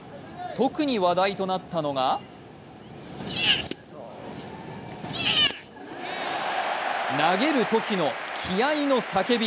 特に話題となったのが投げるときの気合いの叫び。